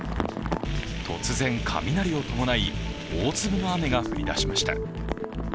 突然、雷を伴い大粒の雨が降り出しました。